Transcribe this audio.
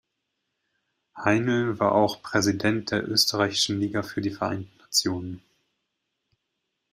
Heinl war auch Präsident der Österreichischen Liga für die Vereinten Nationen.